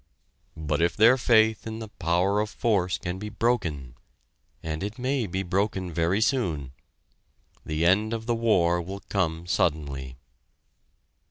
But if their faith in the power of force can be broken and it may be broken very soon the end of the war will come suddenly.